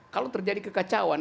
kalau terjadi kekacauan